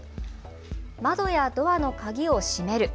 窓やドアの鍵を閉める。